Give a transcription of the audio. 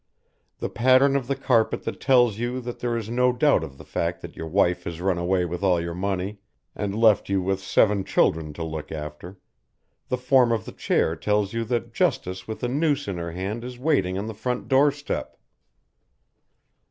The pattern of the carpet that tells you that there is no doubt of the fact that your wife has run away with all your money, and left you with seven children to look after, the form of the chair that tells you that Justice with a noose in her hand is waiting on the front door step.